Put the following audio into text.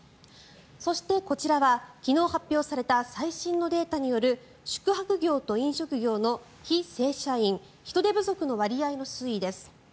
そして、こちらは昨日発表された最新のデータによる宿泊業と飲食業の非正社員人手不足の割合の推移です。